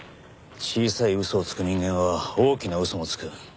小さい嘘をつく人間は大きな嘘もつく。